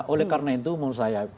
oleh karena itu menurut saya